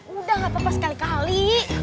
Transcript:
udah gak apa apa sekali kali